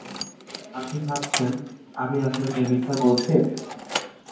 আপনি ভাবছেন, আমি আপনাকে মিথ্যা বলছি?